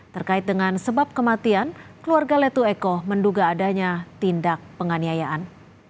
terkait dengan sebab kematian keluarga letu eko menduga adanya tindak penganiayaan